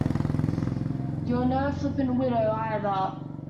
You're no flipping widow, either!